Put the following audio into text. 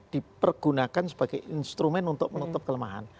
dipergunakan sebagai instrumen untuk menutup kelemahan